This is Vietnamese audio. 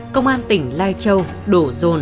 công an tỉnh lai châu đổ rồn